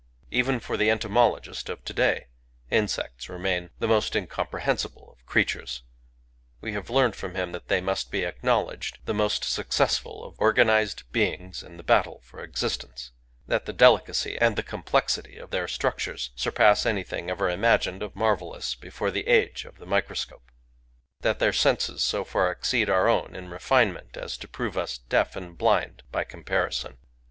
Even for the entomologist of to day, insects remain the Digitized by Google 194 GAKI most incomprehensible of creatures. We have learned from him that they must be acknowledged " the most successful of organized beings " in the battle for existence; — that the delicacy and the complexity of their structures surpass anything ever imagined of marvellous before the age of the microscope ;— that their senses so for exceed our own in refinement as to prove us deaf and blind by comparison.